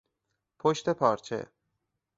پشت پارچه